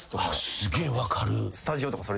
すげえ分かる。